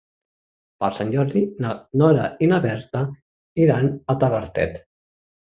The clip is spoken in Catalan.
Per Sant Jordi na Nora i na Berta iran a Tavertet.